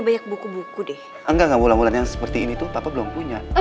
banyak buku buku deh enggak enggak bola bola yang seperti ini tuh papa belum punya